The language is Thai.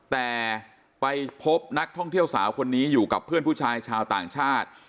แต่ไปพบนักท่องเที่ยวสาวคนนี้อยู่กับเพื่อนผู้ชายชาวต่างชาติ